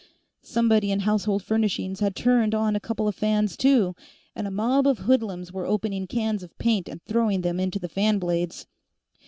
Somebody in Household Furnishings had turned on a couple of fans, too, and a mob of hoodlums were opening cans of paint and throwing them into the fan blades.